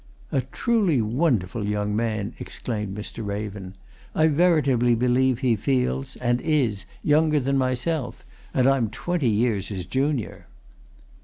"A truly wonderful young man!" exclaimed Mr. Raven. "I veritably believe he feels and is younger than myself and I'm twenty years his junior."